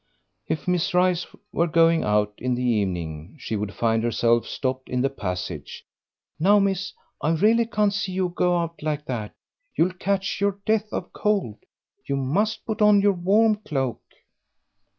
If Miss Rice were going out in the evening she would find herself stopped in the passage. "Now, miss, I really can't see you go out like that; you'll catch your death of cold. You must put on your warm cloak."